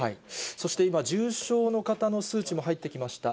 そして今、重症の方の数値も入ってきました。